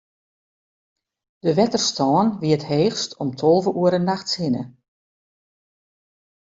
De wetterstân wie it heechst om tolve oere nachts hinne.